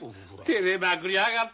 てれまくりやがって。